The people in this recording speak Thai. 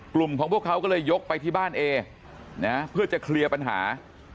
กลุ่มของพวกเขาก็เลยยกไปที่บ้านเอเพื่อจะเคลียร์ปัญหา